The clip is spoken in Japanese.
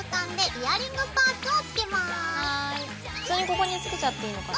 普通にここにつけちゃっていいのかな？